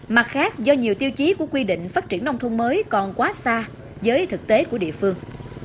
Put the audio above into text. mặt khác do nhiều tiêu chí của quy định phát triển nông thôn mới còn quá xa với thực tế của địa phương